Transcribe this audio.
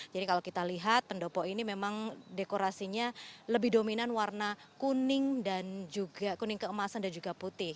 jadi kalau kita lihat pendopo ini memang dekorasinya lebih dominan warna kuning dan juga kuning keemasan dan juga putih